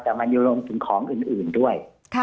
แต่มันอยู่รวมถึงของอื่นด้วย